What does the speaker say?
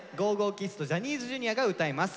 ｋｉｄｓとジャニーズＪｒ．が歌います。